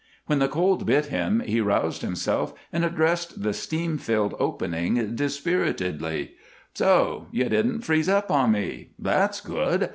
When the cold bit him he roused himself and addressed the steam filled opening dispiritedly: "So, you didn't freeze up on me. That's good.